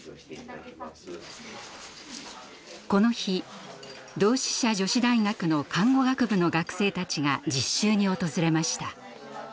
この日同志社女子大学の看護学部の学生たちが実習に訪れました。